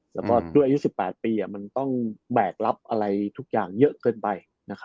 แล้วก็ด้วยอายุ๑๘ปีมันต้องแบกรับอะไรทุกอย่างเยอะเกินไป